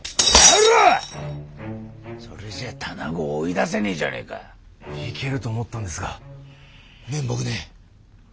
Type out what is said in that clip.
それじゃ店子を追い出せねえじゃねえか！いけると思ったんですが面目ねえ。